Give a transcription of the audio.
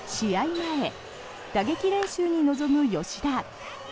前、打撃練習に臨む吉田。